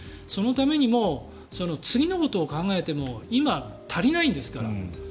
そのためにも次のことを考えてももう今、足りないんですから。